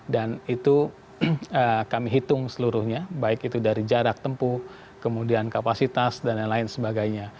dan itu kami hitung seluruhnya baik itu dari jarak tempuh kemudian kapasitas dan lain lain sebagainya